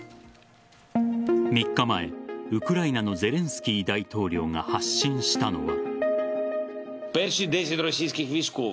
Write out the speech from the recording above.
３日前、ウクライナのゼレンスキー大統領が発信したのは。